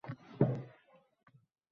O'zingizni huddi uyingizdagidek his qiling.